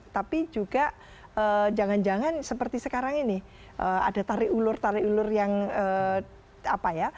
tapi juga jangan jangan seperti sekarang ini ada tarik ulur tarik ulur yang apa ya